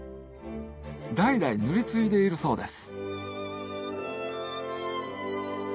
代々塗り継いでいるそうです